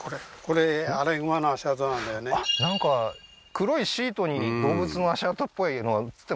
あっなんか黒いシートに動物の足跡っぽいのがうつってます